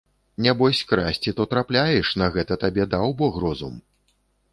Нябось красці то трапляеш, на гэта табе даў бог розум!